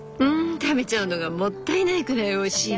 食べちゃうのがもったいないくらいおいしいわ。